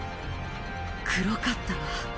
黒かったわ。